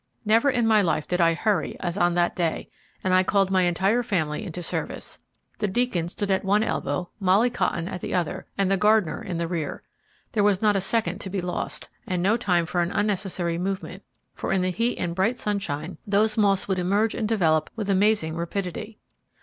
Never in all my life did I hurry as on that day, and I called my entire family into service. The Deacon stood at one elbow, Molly Cotton at the other, and the gardener in the rear. There was not a second to be lost, and no time for an unnecessary movement; for in the heat and bright sunshine those moths would emerge and develop with amazing rapidity.